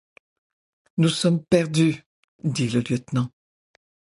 Nous sommes perdus ! dit le lieutenant.